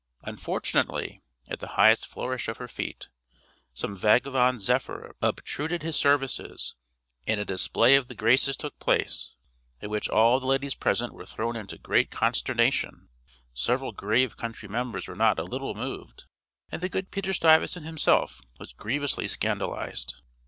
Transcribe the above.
Unfortunately, at the highest flourish of her feet, some vagabond zephyr obtruded his services, and a display of the graces took place, at which all the ladies present were thrown into great consternation; several grave country members were not a little moved, and the good Peter Stuyvesant himself was grievously scandalized.